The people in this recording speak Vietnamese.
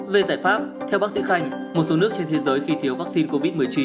về giải pháp theo bác sĩ khanh một số nước trên thế giới khi thiếu vaccine covid một mươi chín